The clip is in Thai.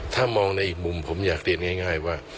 ถ้ามองในอีกมุมผมอยากเรียนง่ายว่า